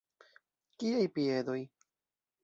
Kiaj piedoj?